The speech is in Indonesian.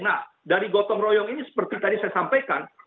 nah dari gotong royong ini seperti tadi saya sampaikan